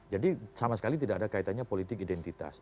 jadi sama sekali tidak ada kaitannya politik identitas